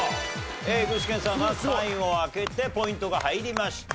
具志堅さんが３位を開けてポイントが入りました。